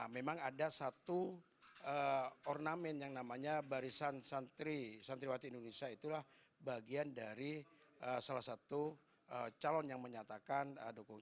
memang ada satu ornamen yang namanya barisan santriwati indonesia itulah bagian dari salah satu calon yang menyatakan dukung